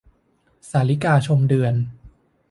สาลิกาชมเดือน